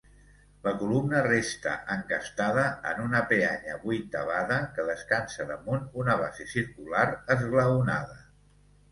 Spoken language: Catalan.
La columna resta encastada en una peanya vuitavada que descansa damunt una base circular esglaonada.